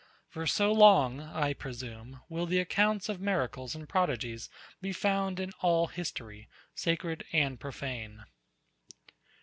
For so long, I presume, will the accounts of miracles and prodigies be found in all history, sacred and profane.